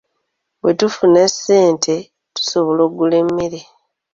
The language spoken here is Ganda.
Bwe tufuna ssente tusobola okugula emmere.